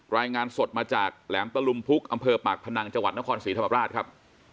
รายงานสดมาจากแหลมตะลุมพุกอำเภอปากพนังจังหวัดนครศรีธรรมราชครับ